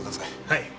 はい。